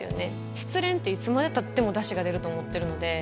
失恋っていつまでたってもだしが出ると思ってるので。